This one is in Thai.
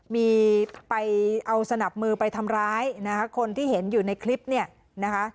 มีไปเอาสนับมือไปทำร้ายนะคะคนที่เห็นอยู่ในคลิปเนี่ยนะคะ